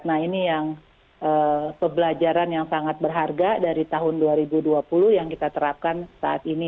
nah ini yang pembelajaran yang sangat berharga dari tahun dua ribu dua puluh yang kita terapkan saat ini